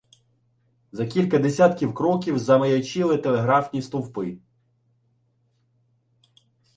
За кілька десятків кроків замаячіли телеграфні стовпи.